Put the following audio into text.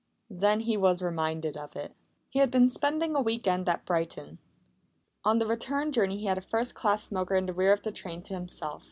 Then he was reminded of it. He had been spending a week end at Brighton. On the return journey he had a first class smoker in the rear of the train to himself.